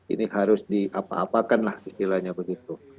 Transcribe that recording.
ini harus diapa apakan lah istilahnya begitu